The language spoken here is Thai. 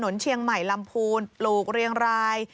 ถนนเชียงใหม่ลำพูนปลูกเรียงราย